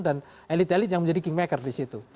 dan elite elite yang menjadi kingmaker di situ